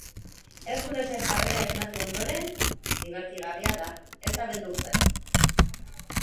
Herkulesen jarrera esnatu ondoren dibertigarria da, ez da beldurtzen.